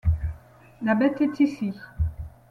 La bête est ici.